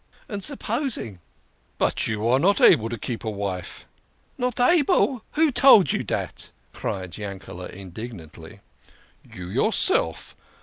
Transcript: "And supposing?" " But you are not able to keep a wife !" "Not able? Who told you dat?" cried Yankele indig nantly. " You yourself